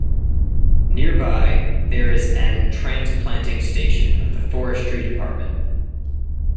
Nearby, there is an transplanting station of the Forestry Department.